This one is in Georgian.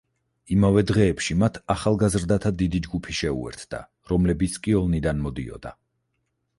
იმავე დღეებში მათ ახალგაზრდათა დიდი ჯგუფი შეუერთდა, რომლებიც კიოლნიდან მოდიოდა.